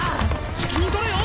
責任取れよ！